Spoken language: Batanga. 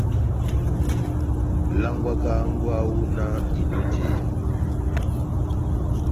Langwaka hángwɛ wawu náh indi ó njeya.